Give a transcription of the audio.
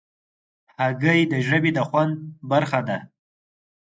هګۍ د ژبې د خوند برخه ده.